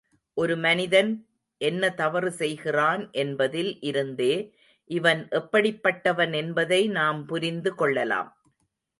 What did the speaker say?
ஒரு மனிதன் என்ன தவறு செய்கிறான் என்பதில் இருந்தே இவன் எப்படிப்பட்டவன் என்பதை நாம் புரிந்து கொள்ளலாம்.